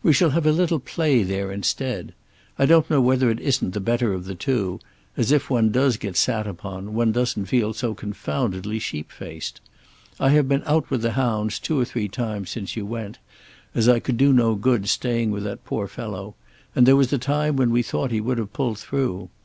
We shall have a little play there instead. I don't know whether it isn't the better of the two, as if one does get sat upon, one doesn't feel so confoundedly sheep faced. I have been out with the hounds two or three times since you went, as I could do no good staying with that poor fellow and there was a time when we thought he would have pulled through.